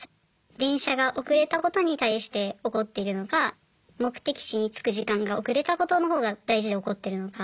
電車が遅れたことに対して怒っているのか目的地に着く時間が遅れたことのほうが大事で怒ってるのか。